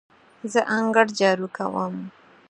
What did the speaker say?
زه انګړ جارو کوم.